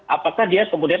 apakah dia kemudian